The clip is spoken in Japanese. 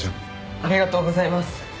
ありがとうございます！